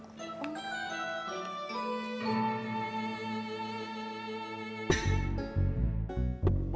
iya emak itu pinter bikin kue